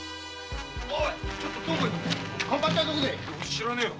⁉知らねえよ。